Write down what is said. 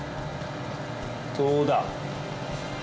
どうだ？